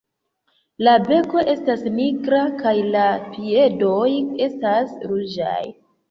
La beko estas nigra kaj la piedoj estas ruĝaj.